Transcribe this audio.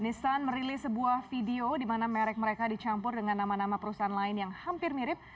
nissan merilis sebuah video di mana merek mereka dicampur dengan nama nama perusahaan lain yang hampir mirip